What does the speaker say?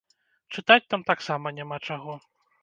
Чытаць там таксама няма чаго.